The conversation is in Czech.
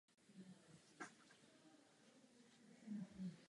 Jak moc se vlastně Evropský parlament odtrhnul od reálného světa?